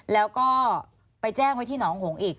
แล้วก็ไปแจ้งไว้ที่หนองหงอีก